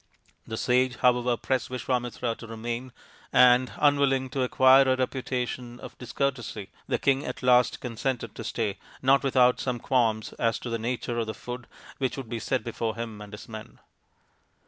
The sage, however, pressed Visvamitra to remain, and, unwilling to acquire a reputation for discourtesy, the king at last consented to stay, not without some qualms as to the nature of the food which would be set before him and his men.